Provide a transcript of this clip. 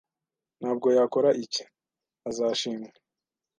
Nubwo yakora iki, azashimwa